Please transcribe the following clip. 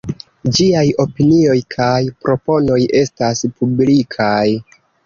Ĝiaj opinioj kaj proponoj estas publikaj.